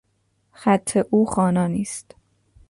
خط او خوانا نیست.